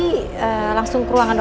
kalau mama gak akan mencari